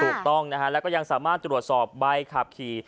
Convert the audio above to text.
ถูกต้องนะฮะแล้วก็ยังสามารถตรวจสอบใบขับขี่